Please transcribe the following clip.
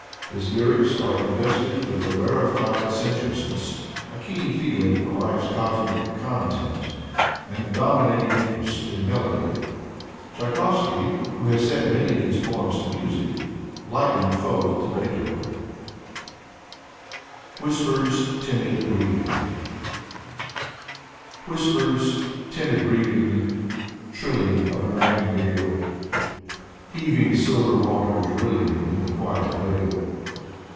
His lyrics are invested with a rarefied sen suousness, a keen feeling for life's cosmic context, and a domi nating interest in melody. Tchaikovsky, who set many of his poems to music, likened Foeth to Beethoven. 43 ^Cv 44 Afanasy Shenshin Foeth " WHISPERS. TIMID BREATHING " Whispers. Timid breathing. Trilling Of a nightingale. Heaving silver waters rilling In the quiet vale.